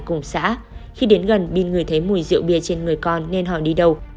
cùng xã khi đến gần pin ngửi thấy mùi rượu bia trên người con nên họ đi đâu